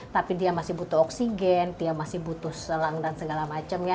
tapi dia masih butuh oksigen dia masih butuh selang dan segala macam ya